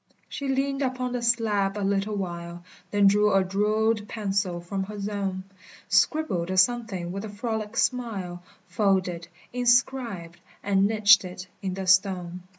She leaned upon the slab a little while, Then drew a jewelled pencil from her zone, Scribbled a something with a frolic smile, Folded, inscribed, and niched it in the stone.